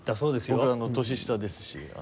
僕年下ですし。